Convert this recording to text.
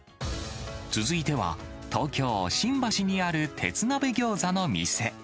続いては、東京・新橋にある鉄鍋ギョーザの店。